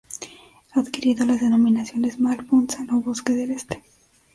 Ha adquirido las denominaciones "Mal-Pun-San" o "Bosque del Este".